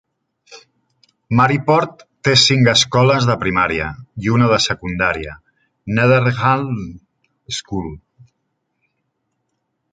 Maryport té cinc escoles de primària i una de secundària, Netherhall School.